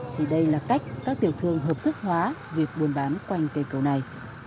thì đây là cách các tiểu thương hợp thức hóa việc buôn bán quanh cây cầu này